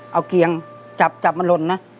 เอาเกียงจับมาลนนะ